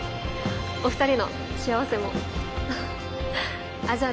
お二人の幸せもあっじゃあ